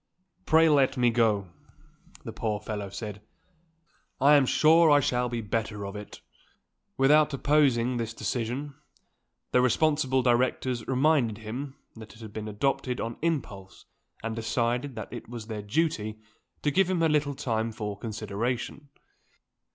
"Pray let me go," the poor fellow said: "I am sure I shall be the better for it." Without opposing this decision, the responsible directors reminded him that it had been adopted on impulse, and decided that it was their duty to give him a little time for consideration.